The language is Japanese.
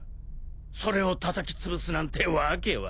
それをたたきつぶすなんて訳はねえ。